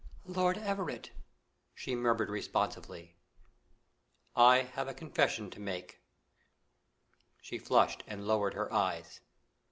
"Lord Everett!" she murmured responsively. "I have a confession to make." She flushed and lowered her eyes.